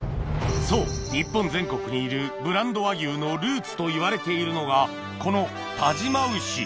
そう日本全国にいるブランド和牛のルーツといわれているのがこの但馬牛